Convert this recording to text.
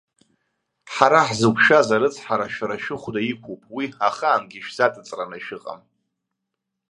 Ҳара ҳзықәшәаз арыцҳара шәара шәыхәда иқәуп, уи ахаангьы шәзаҵыҵраны иҟам!